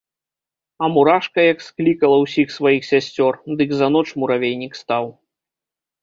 А мурашка, як склікала ўсіх сваіх сясцёр, дык за ноч муравейнік стаў.